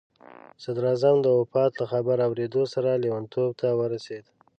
صدراعظم د وفات له خبر اورېدو سره لیونتوب ته ورسېد.